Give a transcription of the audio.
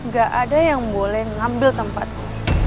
gak ada yang boleh ngambil tempatku